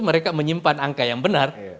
mereka menyimpan angka yang benar